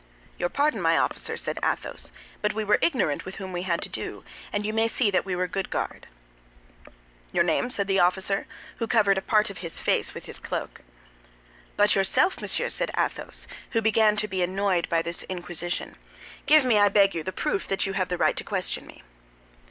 "Your pardon, my officer," said Athos; "but we were ignorant with whom we had to do, and you may see that we were keeping good guard." "Your name?" said the officer, who covered a part of his face with his cloak. "But yourself, monsieur," said Athos, who began to be annoyed by this inquisition, "give me, I beg you, the proof that you have the right to question me."